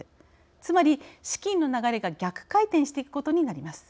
つまり資金の流れが逆回転していくことになります。